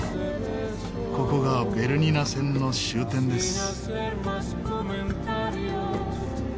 ここがベルニナ線の終点です。